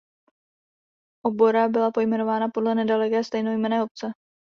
Obora byla pojmenována podle nedaleké stejnojmenné obce.